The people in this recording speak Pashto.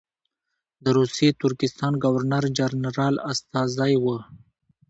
د روسي ترکستان ګورنر جنرال استازی وو.